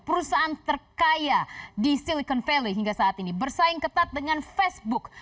perusahaan terkaya di silicon valley hingga saat ini bersaing ketat dengan facebook